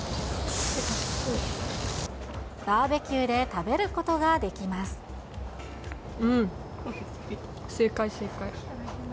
バーベキューで食べることができうん、正解、正解。